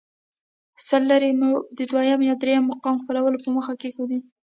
سل لیرې مو د دویم یا درېیم مقام خپلولو په موخه کېښودې.